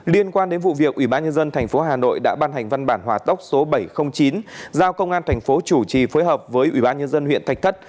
liên quan đến vụ việc ubnd tp hà nội đã ban hành văn bản hòa tốc số bảy trăm linh chín giao công an tp chủ trì phối hợp với ubnd huyện thạch thất